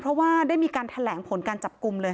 เพราะว่าได้มีการแถลงผลการจับกลุ่มเลย